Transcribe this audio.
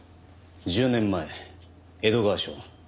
１０年前江戸川署。